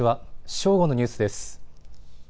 正午のニュースです。